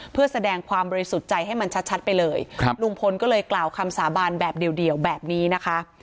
เพื่อแสดงความบริสุทธิ์ใจให้มันชัดไปเลยครับลุงพลก็เลยกล่าวคำสาบานแบบเดียวแบบนี้นะคะ